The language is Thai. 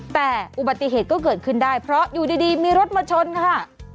แต่อุบัติเหตุก็เกิดขึ้นได้เพราะอยู่ดีมีรถมาชนค่ะ